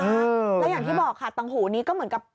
แล้วอย่างที่บอกค่ะตังหูนี้ก็เหมือนกับ